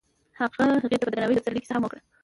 هغه هغې ته په درناوي د پسرلی کیسه هم وکړه.